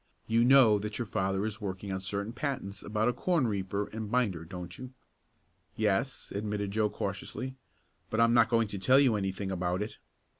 You know that your father is working on certain patents about a corn reaper and binder; don't you?" "Yes," admitted Joe cautiously, "but I'm not going to tell you anything about it."